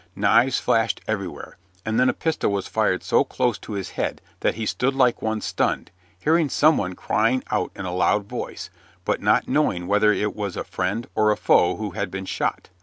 Knives flashed everywhere, and then a pistol was fired so close to his head that he stood like one stunned, hearing some one crying out in a loud voice, but not knowing whether it was a friend or a foe who had been shot.